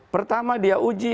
pertama dia uji